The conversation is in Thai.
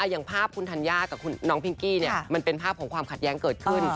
อย่างภาพคุณธัญญากับน้องพิงกี้มันเป็นภาพของความขัดแย้งเกิดขึ้น